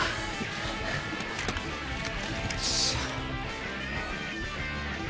よいしょ。